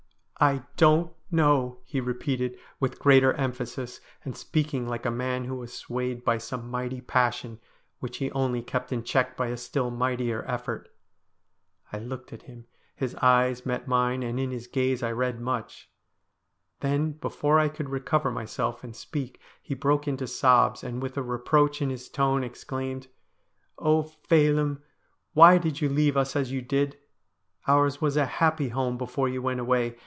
' What ?' I gasped, like one who was suffocating, 282 STORIES WEIRD AND WONDERFUL ' I don't know,' he repeated with greater emphasis, and speaking like a man who was swayed by some mighty passion, which he only kept in check by a still mightier effort. I looked at him ; his eyes met mine^and in his gaze I read much. Then before I could recover myself and speak he broke into sobs, and with a reproach in his tone exclaimed :' Oh, Phelim, why did you leave us as you did ? Ours was a happy home before you went away.